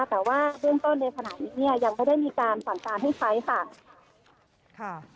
แต่ว่าเบื้องต้นในขณะนี้เนี่ยยังไม่ได้มีการสั่งการให้ใช้ค่ะ